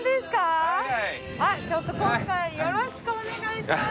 ちょっと今回よろしくお願いします！